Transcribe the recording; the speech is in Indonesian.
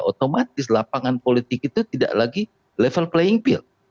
otomatis lapangan politik itu tidak lagi level playing field